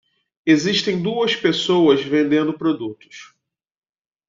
Existem duas pessoas vendendo produtos